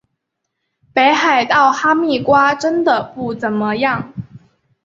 北海道哈密瓜真的不怎么样